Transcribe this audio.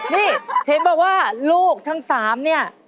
นี่เห็นบอกว่าลูกทั้ง๓เนี่ย